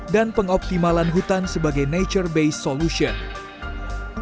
dan pengoptimalan hutan sebagai nature based solution